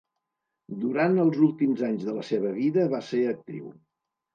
Durant els últims anys de la seva vida, va ser actriu.